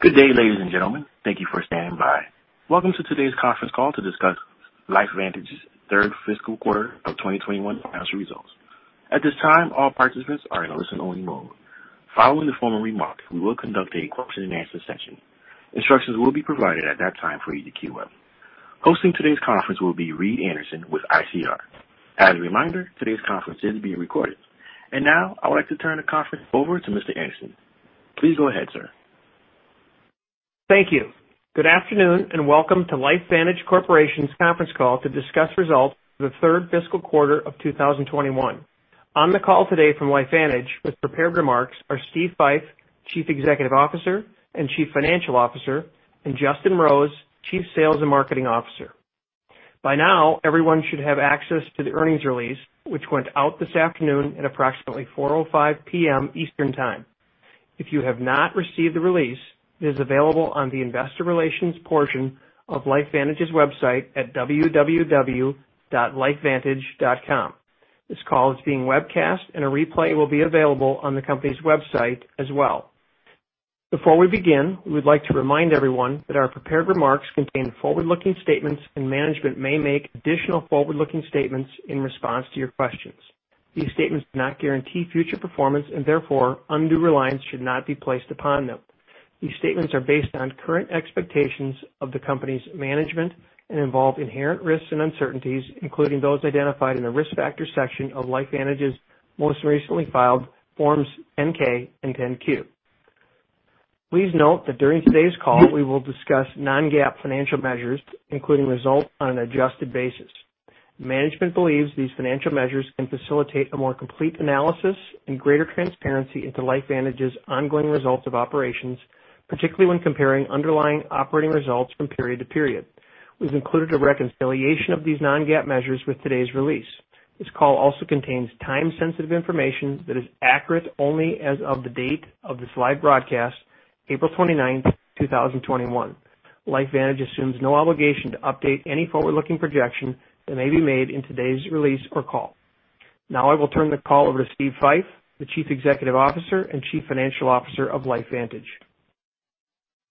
Good day, ladies and gentlemen. Thank you for standing by. Welcome to today's conference call to discuss LifeVantage's third fiscal quarter of 2021 financial results. At this time, all participants are in listen-only mode. Following the formal remarks, we will conduct a question and answer session. Instructions will be provided at that time for you to queue up. Hosting today's conference will be Reed Anderson with ICR. As a reminder, today's conference is being recorded. Now, I would like to turn the conference over to Mr. Anderson. Please go ahead, sir. Thank you. Good afternoon, and welcome to LifeVantage Corporation's conference call to discuss results for the third fiscal quarter of 2021. On the call today from LifeVantage with prepared remarks are Steve Fife, Chief Executive Officer and Chief Financial Officer, and Justin Rose, Chief Sales and Marketing Officer. By now, everyone should have access to the earnings release, which went out this afternoon at approximately 4:05 P.M. Eastern Time. If you have not received the release, it is available on the investor relations portion of LifeVantage's website at www.lifevantage.com. This call is being webcast. A replay will be available on the company's website as well. Before we begin, we would like to remind everyone that our prepared remarks contain forward-looking statements. Management may make additional forward-looking statements in response to your questions. These statements do not guarantee future performance, and therefore, undue reliance should not be placed upon them. These statements are based on current expectations of the company's management and involve inherent risks and uncertainties, including those identified in the Risk Factors section of LifeVantage's most recently filed Forms 10-K and 10-Q. Please note that during today's call, we will discuss non-GAAP financial measures, including results on an adjusted basis. Management believes these financial measures can facilitate a more complete analysis and greater transparency into LifeVantage's ongoing results of operations, particularly when comparing underlying operating results from period to period. We've included a reconciliation of these non-GAAP measures with today's release. This call also contains time-sensitive information that is accurate only as of the date of this live broadcast, April 29, 2021. LifeVantage assumes no obligation to update any forward-looking projection that may be made in today's release or call. Now I will turn the call over to Steve Fife, the Chief Executive Officer and Chief Financial Officer of LifeVantage.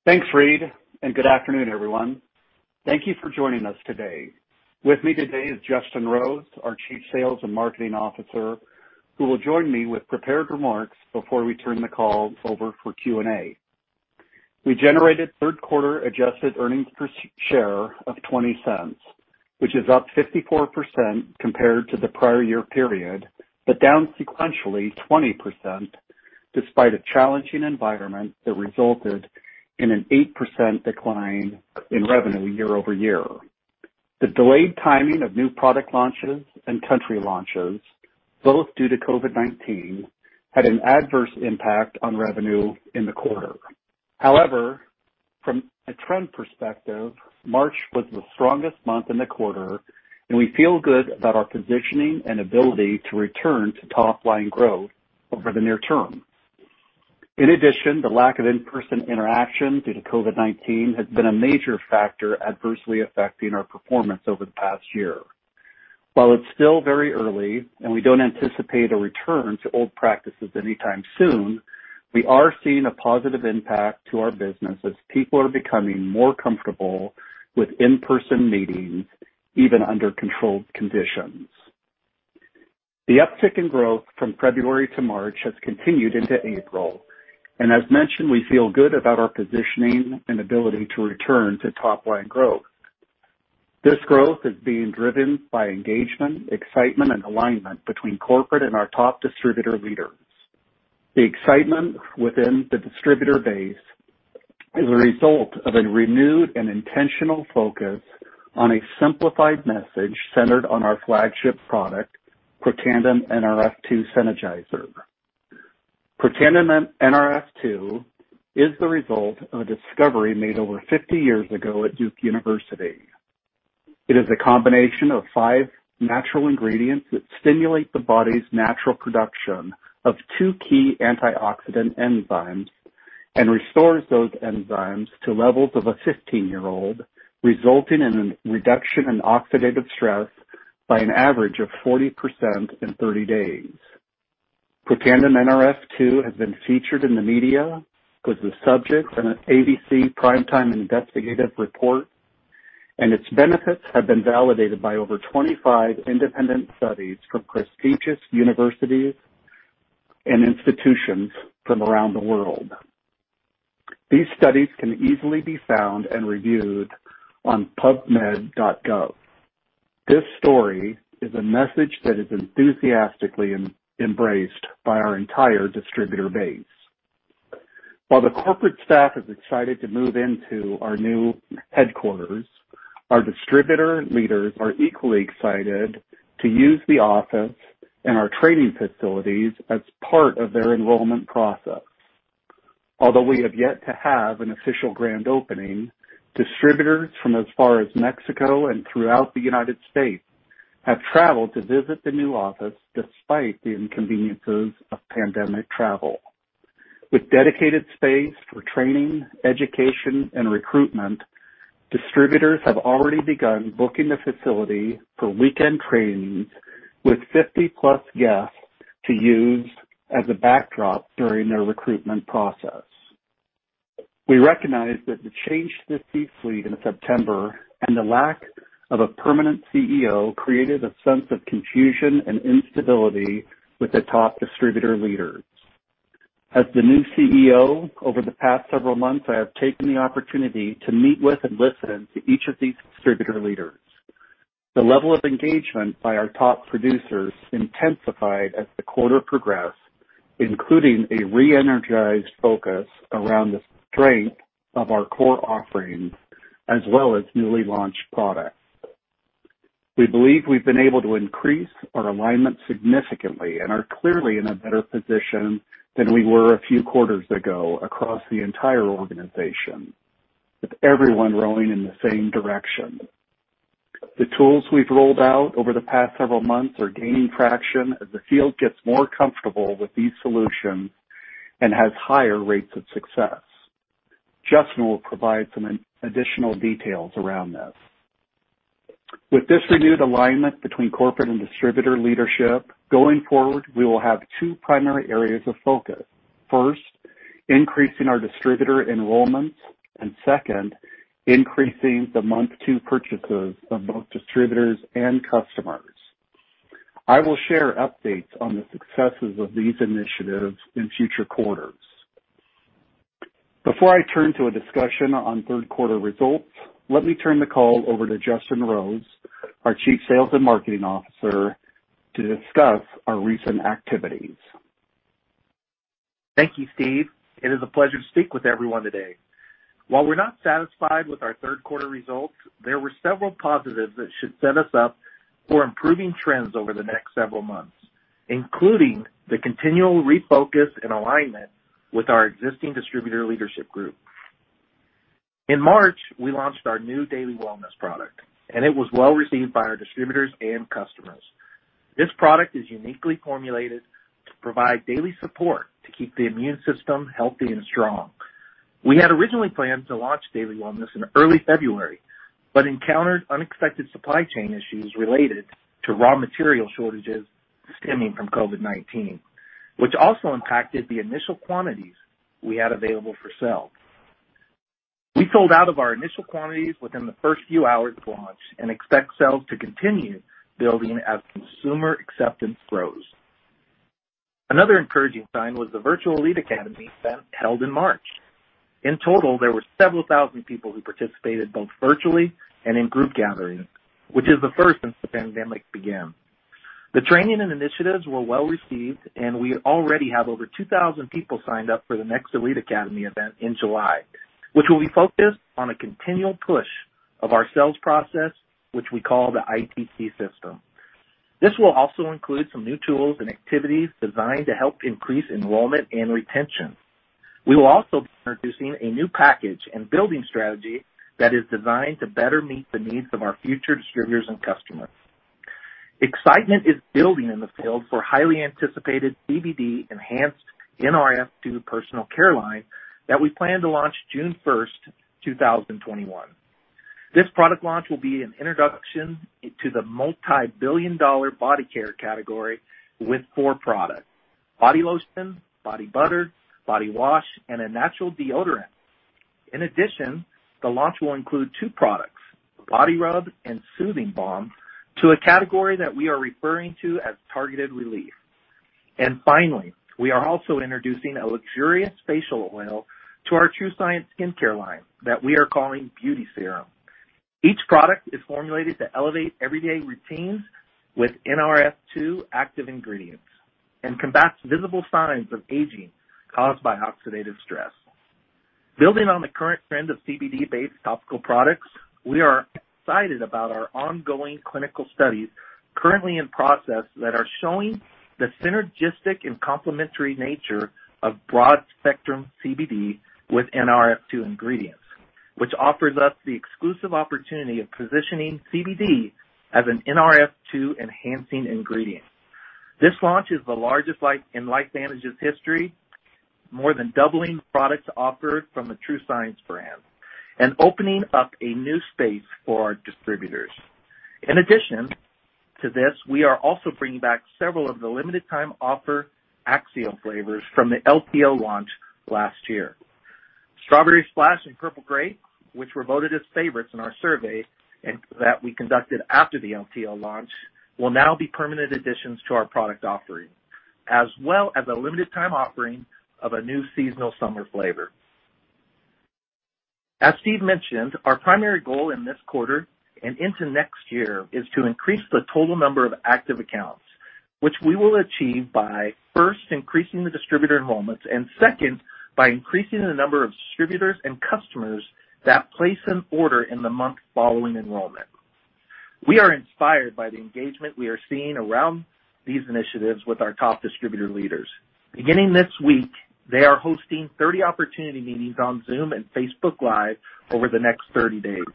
Thanks, Reed, good afternoon, everyone. Thank you for joining us today. With me today is Justin Rose, our Chief Sales and Marketing Officer, who will join me with prepared remarks before we turn the call over for Q&A. We generated third-quarter adjusted earnings per share of $0.20, which is up 54% compared to the prior year period. Down sequentially 20%, despite a challenging environment that resulted in an 8% decline in revenue year-over-year. The delayed timing of new product launches and country launches, both due to COVID-19, had an adverse impact on revenue in the quarter. However, from a trend perspective, March was the strongest month in the quarter, and we feel good about our positioning and ability to return to top-line growth over the near term. In addition, the lack of in-person interaction due to COVID-19 has been a major factor adversely affecting our performance over the past year. While it's still very early and we don't anticipate a return to old practices anytime soon, we are seeing a positive impact to our business as people are becoming more comfortable with in-person meetings, even under controlled conditions. The uptick in growth from February to March has continued into April, and as mentioned, we feel good about our positioning and ability to return to top-line growth. This growth is being driven by engagement, excitement, and alignment between corporate and our top distributor leaders. The excitement within the distributor base is a result of a renewed and intentional focus on a simplified message centered on our flagship product, Protandim Nrf2 Synergizer. Protandim Nrf2 is the result of a discovery made over 50 years ago at Duke University. It is a combination of five natural ingredients that stimulate the body's natural production of two key antioxidant enzymes and restores those enzymes to levels of a 15-year-old, resulting in a reduction in oxidative stress by an average of 40% in 30 days. Protandim Nrf2 has been featured in the media, was the subject in an ABC Primetime investigative report, and its benefits have been validated by over 25 independent studies from prestigious universities and institutions from around the world. These studies can easily be found and reviewed on pubmed.gov. This story is a message that is enthusiastically embraced by our entire distributor base. While the corporate staff is excited to move into our new headquarters, our distributor leaders are equally excited to use the office and our training facilities as part of their enrollment process. Although we have yet to have an official grand opening, distributors from as far as Mexico and throughout the U.S. have traveled to visit the new office despite the inconveniences of pandemic travel. With dedicated space for training, education, and recruitment. Distributors have already begun booking the facility for weekend trainings with 50+ guests to use as a backdrop during their recruitment process. We recognize that the change to C-suite in September and the lack of a permanent CEO created a sense of confusion and instability with the top distributor leaders. As the new CEO, over the past several months, I have taken the opportunity to meet with and listen to each of these distributor leaders. The level of engagement by our top producers intensified as the quarter progressed, including a re-energized focus around the strength of our core offerings as well as newly launched products. We believe we've been able to increase our alignment significantly and are clearly in a better position than we were a few quarters ago across the entire organization, with everyone rowing in the same direction. The tools we've rolled out over the past several months are gaining traction as the field gets more comfortable with these solutions and has higher rates of success. Justin will provide some additional details around this. With this renewed alignment between corporate and distributor leadership, going forward, we will have two primary areas of focus. First, increasing our distributor enrollments, and second, increasing the month to purchases of both distributors and customers. I will share updates on the successes of these initiatives in future quarters. Before I turn to a discussion on third quarter results, let me turn the call over to Justin Rose, our Chief Sales and Marketing Officer, to discuss our recent activities. Thank you, Steve. It is a pleasure to speak with everyone today. While we're not satisfied with our third quarter results, there were several positives that should set us up for improving trends over the next several months, including the continual refocus and alignment with our existing distributor leadership group. In March, we launched our new Daily Wellness product, and it was well received by our distributors and customers. This product is uniquely formulated to provide daily support to keep the immune system healthy and strong. We had originally planned to launch Daily Wellness in early February but encountered unexpected supply chain issues related to raw material shortages stemming from COVID-19, which also impacted the initial quantities we had available for sale. We sold out of our initial quantities within the first few hours of launch and expect sales to continue building as consumer acceptance grows. Another encouraging sign was the virtual Elite Academy event held in March. In total, there were several thousand people who participated both virtually and in group gatherings, which is the first since the pandemic began. The training and initiatives were well-received. We already have over 2,000 people signed up for the next Elite Academy event in July, which will be focused on a continual push of our sales process, which we call the ITC system. This will also include some new tools and activities designed to help increase enrollment and retention. We will also be introducing a new package and building strategy that is designed to better meet the needs of our future distributors and customers. Excitement is building in the field for highly anticipated CBD enhanced Nrf2 personal care line that we plan to launch June 1st, 2021. This product launch will be an introduction to the multi-billion-dollar body care category with four products, body lotion, body butter, body wash, and a natural deodorant. In addition, the launch will include two products, body rub and soothing balm, to a category that we are referring to as targeted relief. Finally, we are also introducing a luxurious facial oil to our TrueScience skincare line that we are calling Beauty Serum. Each product is formulated to elevate everyday routines with Nrf2 active ingredients and combats visible signs of aging caused by oxidative stress. Building on the current trend of CBD-based topical products, we are excited about our ongoing clinical studies currently in process that are showing the synergistic and complementary nature of broad-spectrum CBD with Nrf2 ingredients, which offers us the exclusive opportunity of positioning CBD as an Nrf2-enhancing ingredient. This launch is the largest in LifeVantage's history, more than doubling products offered from the TrueScience brand and opening up a new space for our distributors. In addition to this, we are also bringing back several of the limited time offer AXIO flavors from the LTO launch last year. Strawberry Splash and Purple Grape, which were voted as favorites in our survey and that we conducted after the LTO launch, will now be permanent additions to our product offering, as well as a limited time offering of a new seasonal summer flavor. As Steve mentioned, our primary goal in this quarter and into next year is to increase the total number of active accounts, which we will achieve by, first, increasing the distributor enrollments, and second, by increasing the number of distributors and customers that place an order in the month following enrollment. We are inspired by the engagement we are seeing around these initiatives with our top distributor leaders. Beginning this week, they are hosting 30 opportunity meetings on Zoom and Facebook Live over the next 30 days.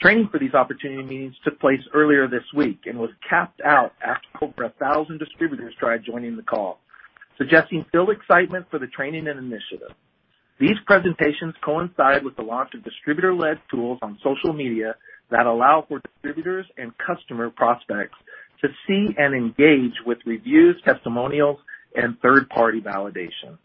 Training for these opportunity meetings took place earlier this week and was capped out after over 1,000 distributors tried joining the call, suggesting still excitement for the training and initiative. These presentations coincide with the launch of distributor-led tools on social media that allow for distributors and customer prospects to see and engage with reviews, testimonials, and third-party validation.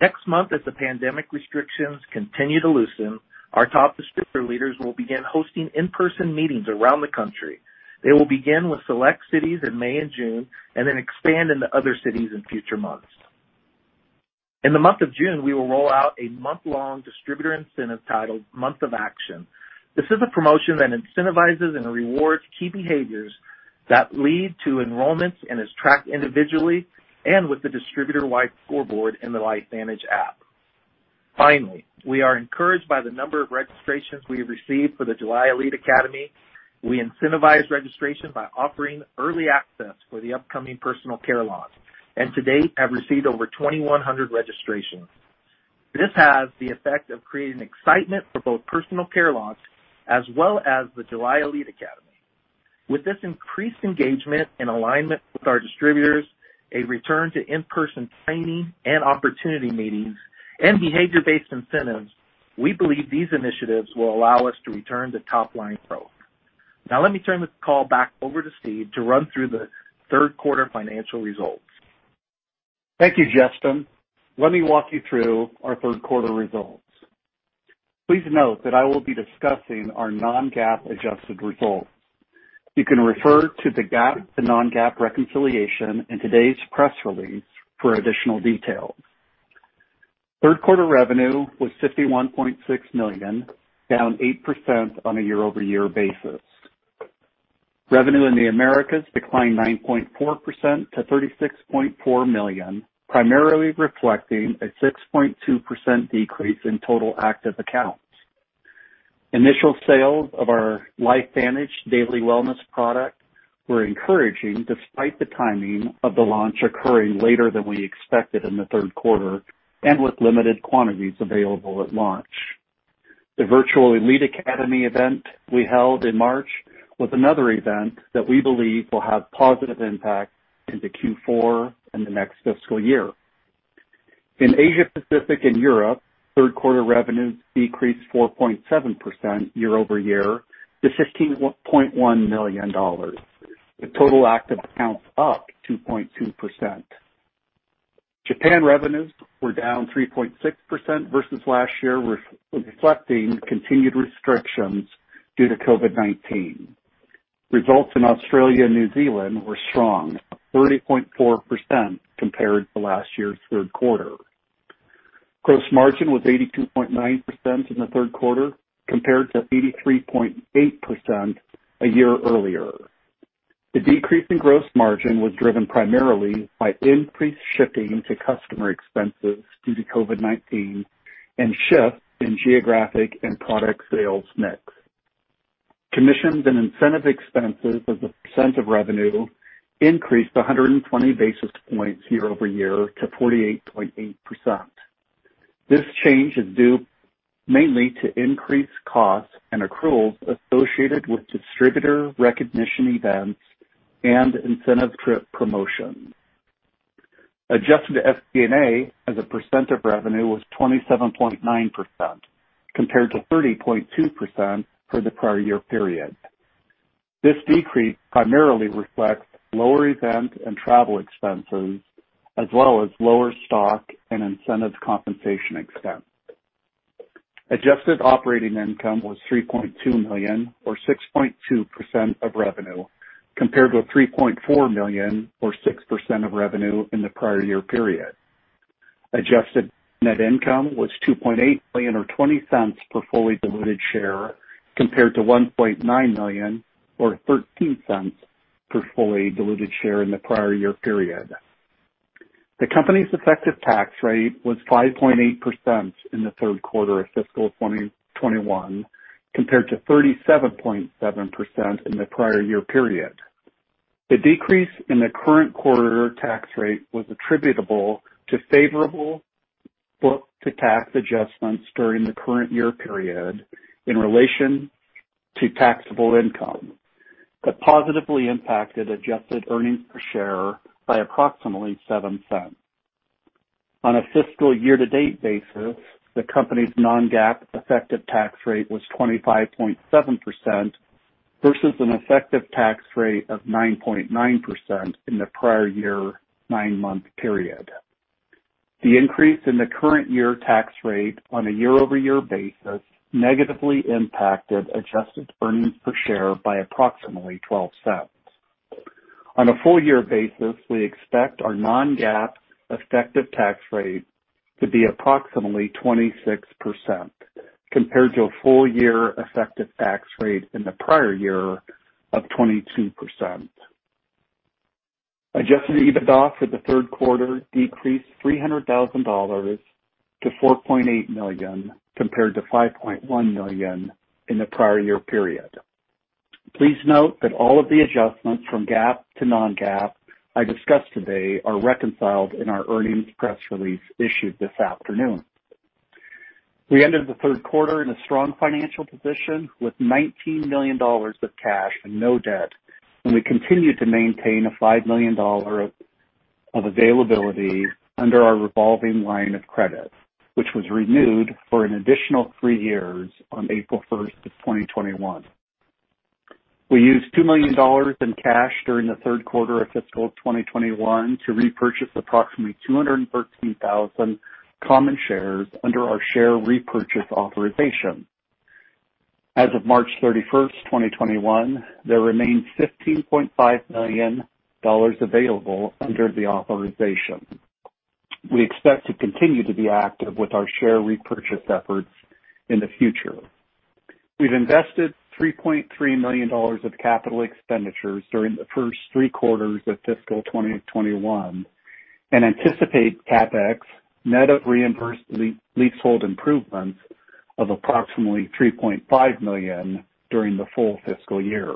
Next month, as the pandemic restrictions continue to loosen, our top distributor leaders will begin hosting in-person meetings around the country. They will begin with select cities in May and June, and then expand into other cities in future months. In the month of June, we will roll out a month-long distributor incentive titled Month of Action. This is a promotion that incentivizes and rewards key behaviors that lead to enrollments and is tracked individually and with the distributor-wide scoreboard in the LifeVantage app. Finally, we are encouraged by the number of registrations we received for the July Elite Academy. We incentivize registration by offering early access for the upcoming personal care launch, and to date, have received over 2,100 registrations. This has the effect of creating excitement for both personal care launch, as well as the July Elite Academy. With this increased engagement and alignment with our distributors, a return to in-person training and opportunity meetings and behavior-based incentives, we believe these initiatives will allow us to return to top line growth. Let me turn this call back over to Steve Fife to run through the third quarter financial results. Thank you, Justin. Let me walk you through our third quarter results. Please note that I will be discussing our non-GAAP adjusted results. You can refer to the GAAP to non-GAAP reconciliation in today's press release for additional details. Third quarter revenue was $51.6 million, down 8% on a year-over-year basis. Revenue in the Americas declined 9.4% to $36.4 million, primarily reflecting a 6.2% decrease in total active accounts. Initial sales of our LifeVantage Daily Wellness product were encouraging, despite the timing of the launch occurring later than we expected in the third quarter, and with limited quantities available at launch. The virtual Elite Academy event we held in March was another event that we believe will have positive impact into Q4 and the next fiscal year. In Asia Pacific and Europe, third quarter revenues decreased 4.7% year-over-year to $15.1 million. The total active accounts up 2.2%. Japan revenues were down 3.6% versus last year, reflecting continued restrictions due to COVID-19. Results in Australia and New Zealand were strong, up 30.4% compared to last year's third quarter. Gross margin was 82.9% in the third quarter compared to 83.8% a year earlier. The decrease in gross margin was driven primarily by increased ship-to-customer expenses due to COVID-19 and shifts in geographic and product sales mix. Commissions and incentive expenses as a percentage of revenue increased 120 basis points year-over-year to 48.8%. This change is due mainly to increased costs and accruals associated with distributor recognition events and incentive trip promotions. Adjusted SG&A as a percentage of revenue was 27.9%, compared to 30.2% for the prior year period. This decrease primarily reflects lower event and travel expenses, as well as lower stock and incentive compensation expense. Adjusted operating income was $3.2 million or 6.2% of revenue, compared to $3.4 million or 6% of revenue in the prior year period. Adjusted net income was $2.8 million, or $0.20 per fully diluted share, compared to $1.9 million or $0.13 per fully diluted share in the prior year period. The company's effective tax rate was 5.8% in the third quarter of fiscal 2021, compared to 37.7% in the prior year period. The decrease in the current quarter tax rate was attributable to favorable book-to-tax adjustments during the current year period in relation to taxable income that positively impacted adjusted earnings per share by approximately $0.07. On a fiscal year to date basis, the company's non-GAAP effective tax rate was 25.7% versus an effective tax rate of 9.9% in the prior year nine-month period. The increase in the current year tax rate on a year-over-year basis negatively impacted adjusted earnings per share by approximately $0.12. On a full year basis, we expect our non-GAAP effective tax rate to be approximately 26%, compared to a full year effective tax rate in the prior year of 22%. Adjusted EBITDA for the third quarter decreased $300,000 to $4.8 million, compared to $5.1 million in the prior year period. Please note that all of the adjustments from GAAP to non-GAAP I discussed today are reconciled in our earnings press release issued this afternoon. We ended the third quarter in a strong financial position with $19 million of cash and no debt, and we continue to maintain a $5 million of availability under our revolving line of credit, which was renewed for an additional three years on April 1st, 2021. We used $2 million in cash during the third quarter of fiscal 2021 to repurchase approximately 213,000 common shares under our share repurchase authorization. As of March 31st, 2021, there remains $15.5 million available under the authorization. We expect to continue to be active with our share repurchase efforts in the future. We've invested $3.3 million of capital expenditures during the first three quarters of fiscal 2021 and anticipate CapEx net of reimbursed leasehold improvements of approximately $3.5 million during the full fiscal year.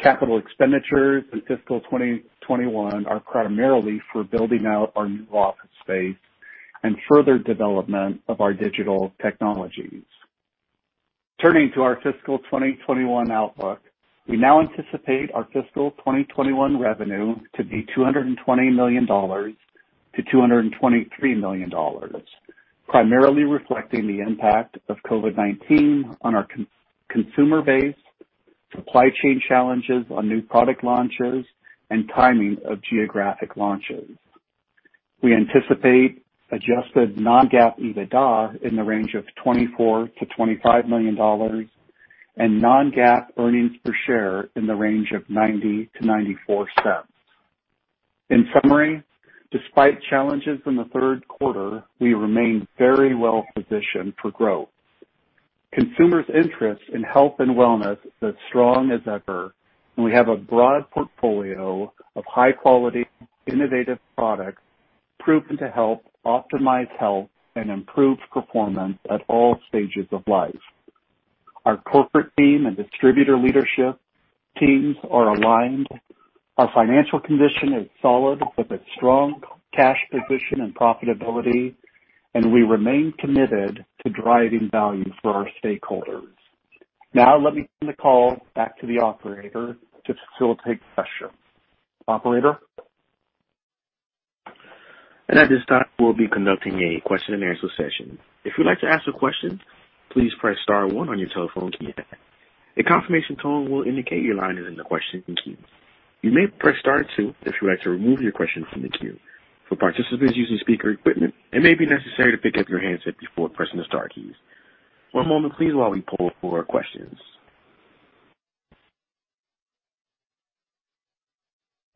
Capital expenditures in fiscal 2021 are primarily for building out our new office space and further development of our digital technologies. Turning to our fiscal 2021 outlook, we now anticipate our fiscal 2021 revenue to be $220 million-$223 million, primarily reflecting the impact of COVID-19 on our consumer base, supply chain challenges on new product launches, and timing of geographic launches. We anticipate adjusted non-GAAP EBITDA in the range of $24 million-$25 million and non-GAAP earnings per share in the range of $0.90-$0.94. In summary, despite challenges in the third quarter, we remain very well positioned for growth. Consumers' interest in health and wellness is as strong as ever, and we have a broad portfolio of high-quality, innovative products proven to help optimize health and improve performance at all stages of life. Our corporate team and distributor leadership teams are aligned, our financial condition is solid with a strong cash position and profitability, and we remain committed to driving value for our stakeholders. Let me turn the call back to the operator to facilitate the session. Operator? At this time, we'll be conducting a question and answer session.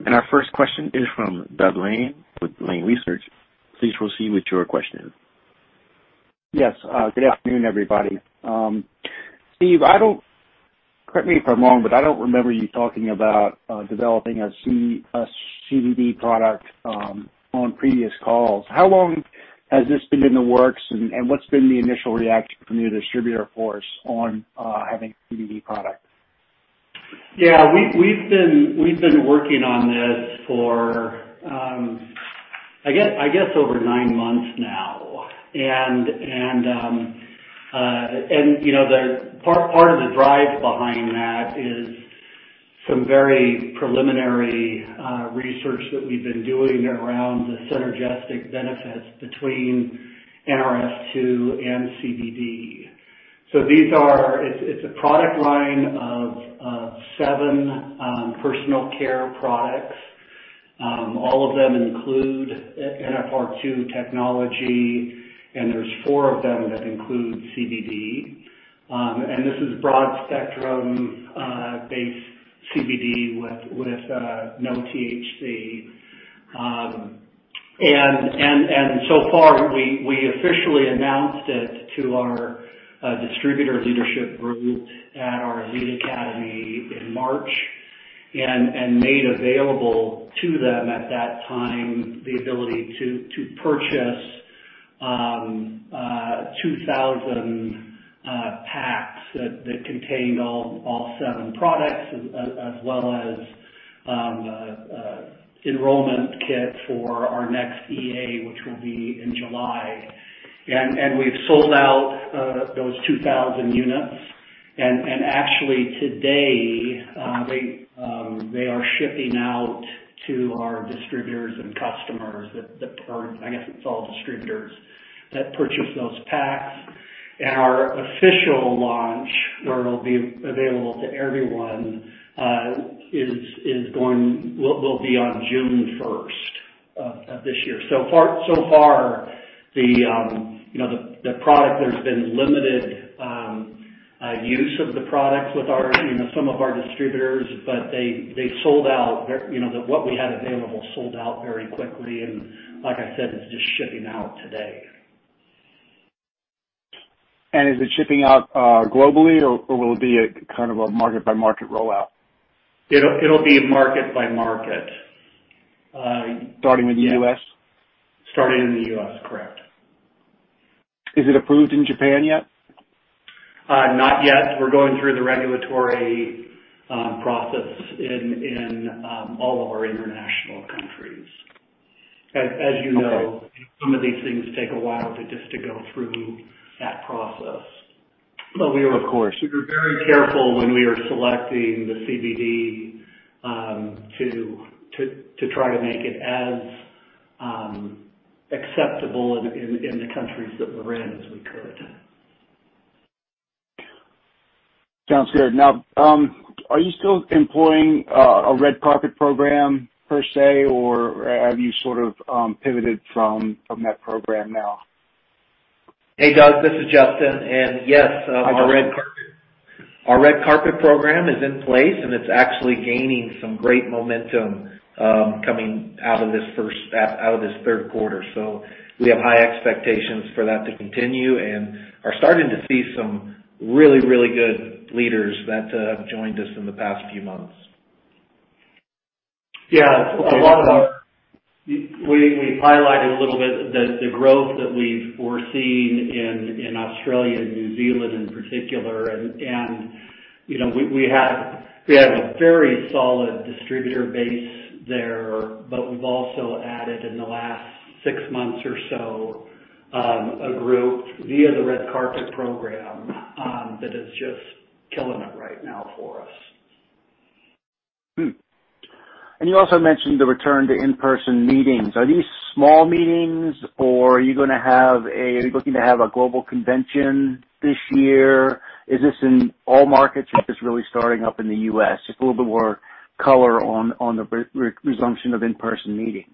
Our first question is from Doug Lane with Lane Research. Please proceed with your question. Yes. Good afternoon, everybody. Steve Fife, correct me if I'm wrong, but I don't remember you talking about developing a CBD product on previous calls. How long has this been in the works, and what's been the initial reaction from your distributor force on having a CBD product? Yeah. We've been working on this for, I guess, over nine months now. Part of the drive behind that is some very preliminary research that we've been doing around the synergistic benefits between Nrf2 and CBD. It's a product line of seven personal care products. All of them include Nrf2 technology, and there's four of them that include CBD. This is broad-spectrum base CBD with no THC. So far, we officially announced it to our distributor leadership group at our Elite Academy in March and made available to them at that time the ability to purchase 2,000 packs that contained all seven products as well as enrollment kit for our next EA, which will be in July. We've sold out those 2,000 units. Actually, today, they are shipping out to our distributors and customers that purchased those packs. Our official launch, where it'll be available to everyone, will be on June 1st of this year. So far, there's been limited use of the product with some of our distributors, but what we had available sold out very quickly, and like I said, it's just shipping out today. Is it shipping out globally, or will it be a kind of a market-by-market rollout? It'll be market by market. Starting with the U.S.? Starting in the U.S., correct. Is it approved in Japan yet? Not yet. We're going through the regulatory process in all of our international countries. As you know, some of these things take a while just to go through that process. Of course. We were very careful when we were selecting the CBD to try to make it as acceptable in the countries that we're in as we could. Sounds good. Now, are you still employing a Red Carpet program per se, or have you sort of pivoted from that program now? Hey, Doug, this is Justin. Yes. Hi, Justin. Our Red Carpet program is in place, and it's actually gaining some great momentum coming out of this third quarter. We have high expectations for that to continue and are starting to see some really good leaders that have joined us in the past few months. Yeah. We highlighted a little bit the growth that we're seeing in Australia and New Zealand in particular. We have a very solid distributor base there. We've also added in the last six months or so, a group via the Red Carpet program, that is just killing it right now for us. You also mentioned the return to in-person meetings. Are these small meetings, or are you looking to have a global convention this year? Is this in all markets or just really starting up in the U.S.? Just a little bit more color on the resumption of in-person meetings.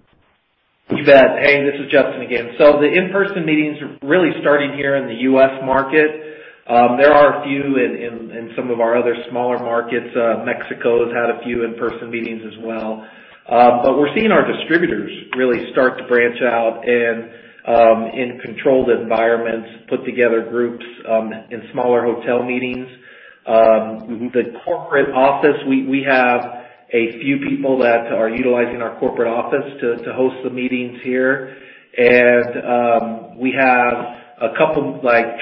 You bet. Hey, this is Justin again. The in-person meetings are really starting here in the U.S. market. There are a few in some of our other smaller markets. Mexico's had a few in-person meetings as well. We're seeing our distributors really start to branch out and, in controlled environments, put together groups in smaller hotel meetings. The corporate office, we have a few people that are utilizing our corporate office to host the meetings here. We have a couple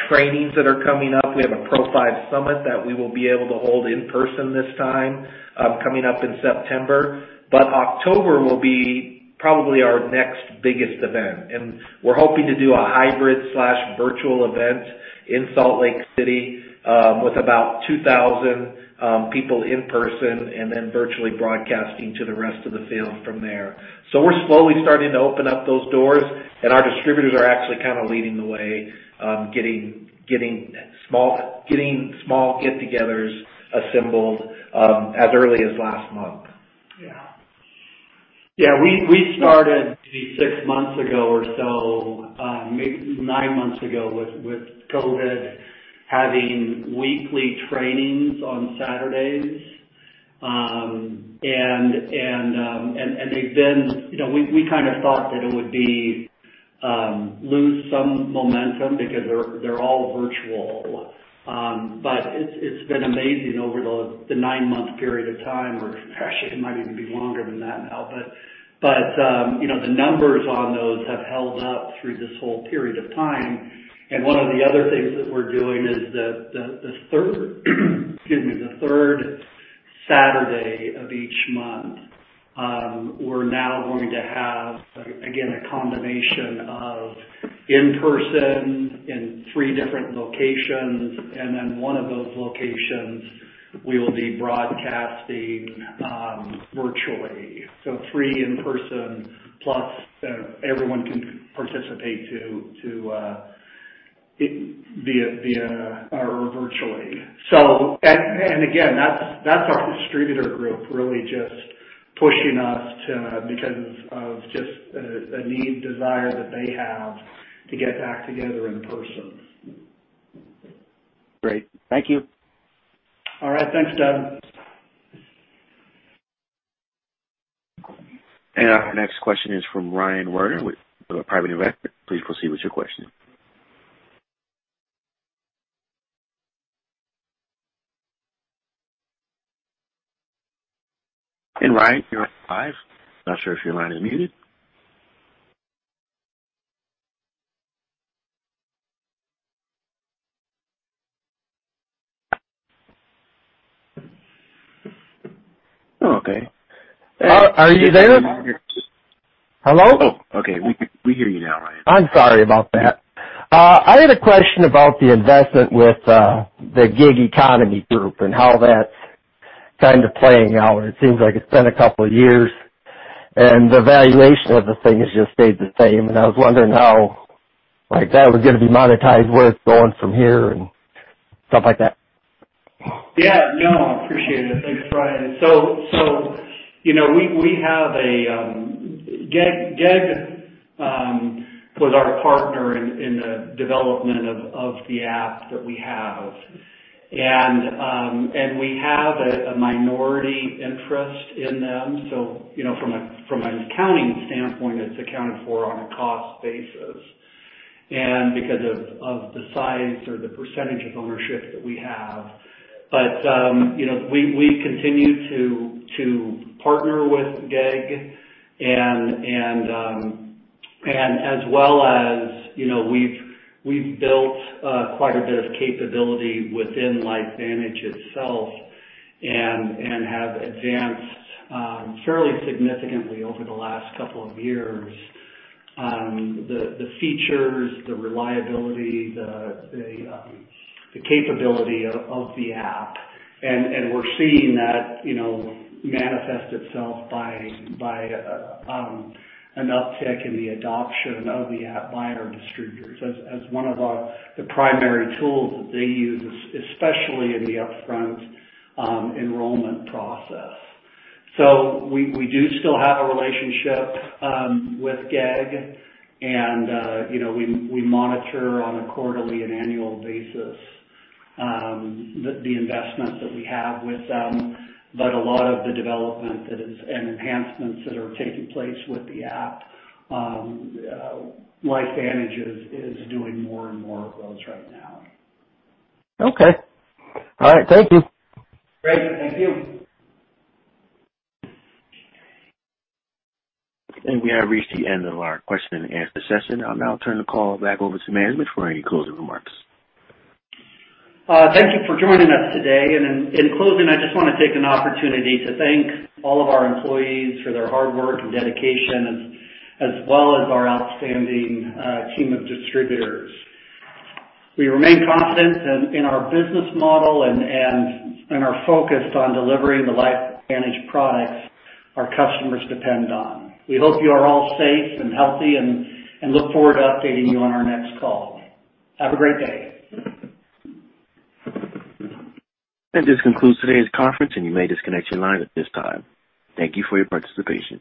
trainings that are coming up. We have a Pro5 summit that we will be able to hold in person this time, coming up in September. October will be probably our next biggest event, and we're hoping to do a hybrid/virtual event in Salt Lake City, with about 2,000 people in person and then virtually broadcasting to the rest of the field from there. We're slowly starting to open up those doors, and our distributors are actually kind of leading the way, getting small get-togethers assembled as early as last month. Yeah. We started maybe six months ago or so, maybe nine months ago with COVID, having weekly trainings on Saturdays. We kind of thought that it would lose some momentum because they're all virtual. It's been amazing over the nine-month period of time, or actually it might even be longer than that now, but the numbers on those have held up through this whole period of time. One of the other things that we're doing is the third excuse me, the third Saturday of each month, we're now going to have, again, a combination of in-person in three different locations, and then one of those locations we will be broadcasting virtually. Three in person, plus everyone can participate too virtually. Again, that's our distributor group really just pushing us because of just a need, desire that they have to get back together in person. Great. Thank you. All right. Thanks, Doug. Our next question is from Ryan Warner with a private investor. Please proceed with your question. Ryan, you're live? Not sure if your line is muted. Okay. Are you there? Hello? Oh, okay. We hear you now, Ryan. I'm sorry about that. I had a question about the investment with the Gig Economy Group and how that's kind of playing out. It seems like it's been a couple of years, and the valuation of the thing has just stayed the same. I was wondering how that was going to be monetized, where it's going from here, and stuff like that. Yeah, no, I appreciate it. Thanks, Ryan. Gig was our partner in the development of the app that we have. We have a minority interest in them. From an accounting standpoint, it's accounted for on a cost basis. We continue to partner with GEG, as well as we've built quite a bit of capability within LifeVantage itself, and have advanced fairly significantly over the last couple of years. The features, the reliability, the capability of the app, and we're seeing that manifest itself by an uptick in the adoption of the app by our distributors as one of the primary tools that they use, especially in the upfront enrollment process. We do still have a relationship with GEG, and we monitor on a quarterly and annual basis the investments that we have with them. A lot of the development and enhancements that are taking place with the app, LifeVantage is doing more and more of those right now. Okay. All right. Thank you. We have reached the end of our question and answer session. I'll now turn the call back over to management for any closing remarks. Thank you for joining us today. In closing, I just want to take an opportunity to thank all of our employees for their hard work and dedication, as well as our outstanding team of distributors. We remain confident in our business model, and are focused on delivering the LifeVantage products our customers depend on. We hope you are all safe and healthy, and look forward to updating you on our next call. Have a great day. This concludes today's conference, and you may disconnect your line at this time. Thank you for your participation.